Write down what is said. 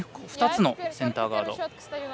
２つのセンターガード。